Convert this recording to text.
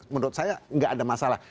menurut saya nggak ada masalah